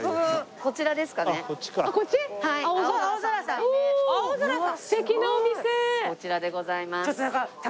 こちらでございます。